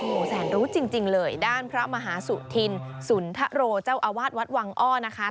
โอ้โหแสนรู้จริงเลยด้านพระมหาสุธินสุนทะโรเจ้าอาวาสวัดวังอ้อนะคะ